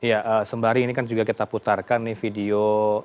ya sembari ini kan juga kita putarkan nih video